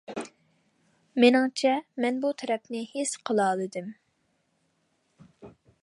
مېنىڭچە مەن بۇ تەرەپنى ھېس قىلالىدىم.